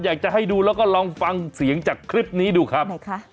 อยากจะให้ดูแล้วก็ลองฟังเสียงจากคลิปนี้ดูครับไหนคะ